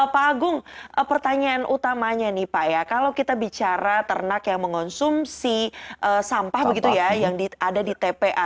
pak agung pertanyaan utamanya nih pak ya kalau kita bicara ternak yang mengonsumsi sampah begitu ya yang ada di tpa